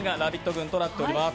軍となっております。